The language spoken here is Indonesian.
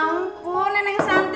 ya ampun neneng santik lupa